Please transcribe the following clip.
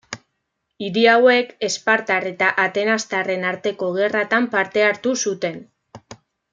Hiri hauek, espartar eta atenastarren arteko gerratan parte hartu zuten.